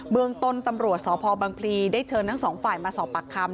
เมืองต้นตำรวจสพบังพลีได้เชิญทั้งสองฝ่ายมาสอบปากคำ